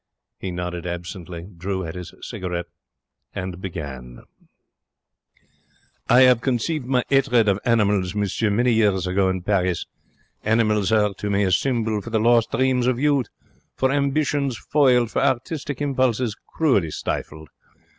He nodded absently, drew at his cigarette, and began: I have conceived my 'atred of animals, monsieur, many years ago in Paris. Animals are to me a symbol for the lost dreams of youth, for ambitions foiled, for artistic impulses cruelly stifled.